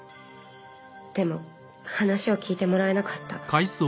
でも話を聞いてもらえなかった。